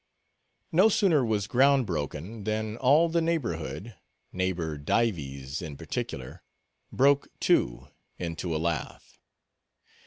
No sooner was ground broken, than all the neighborhood, neighbor Dives, in particular, broke, too—into a laugh.